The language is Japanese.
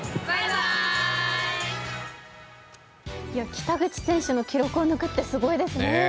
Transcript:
北口選手の記録を抜くってすごいですね。